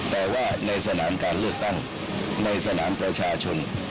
แต่ว่าในสนามการเลือกตั้งในสนามประชาชน